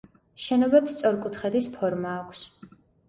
შენობებს სწორკუთხედის ფორმა აქვს.